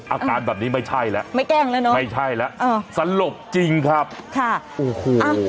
อาการแบบนี้ไม่ใช่แล้วไม่แกล้งแล้วเนอะไม่ใช่แล้วเออสลบจริงครับค่ะโอ้โห